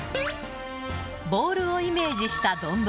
ボールをイメージした丼。